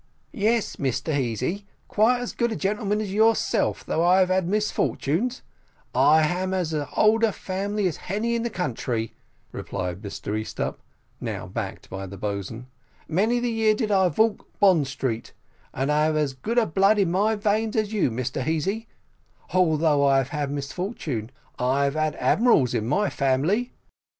"Yes, Mr Heasy, quite as good a gentleman as yourself, although I av ad misfortune I ham of as hold a family as hany in the country," replied Mr Easthupp, now backed by the boatswain; "many the year did I valk Bond Street, and I ave as good blood in my weins as you, Mr Heasy, halthough I have been misfortunate I've had hadmirals in my family."